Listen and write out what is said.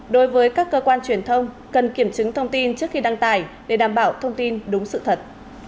đối với các cơ quan truyền thông cần kiểm chứng thông tin trước khi đăng tải để đảm bảo thông tin đúng sự thật